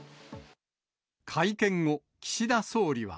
会見後、岸田総理は。